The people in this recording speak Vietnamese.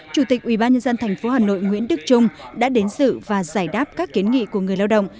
chủ tịch ubnd tp hà nội nguyễn đức trung đã đến sự và giải đáp các kiến nghị của người lao động